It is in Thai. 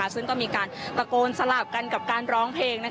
ซึ่งก็มีการตะโกนสลับกันกับการร้องเพลง